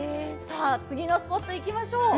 次のスポットに行きましょう。